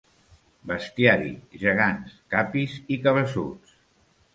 Bestiari, gegants, capis i cabeçuts.